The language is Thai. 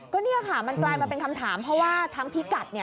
ก็เนี่ยค่ะมันกลายมาเป็นคำถามเพราะว่าทั้งพิกัด